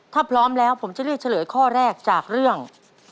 ถ้าพร้อมแล้วผมจะเลือกเฉลยข้อแรกจากเรื่อง